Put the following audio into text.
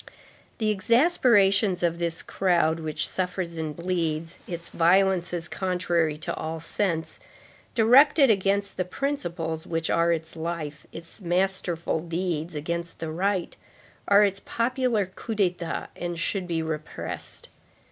The exasperations of this crowd which suffers and bleeds, its violences contrary to all sense, directed against the principles which are its life, its masterful deeds against the right, are its popular coups d'état and should be repressed.